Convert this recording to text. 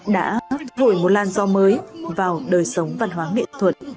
đã hồi một lan do mới vào đời sống văn hóa nghệ thuật